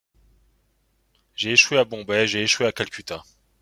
J’ai échoué à Bombay, j’ai échoué à Calcutta!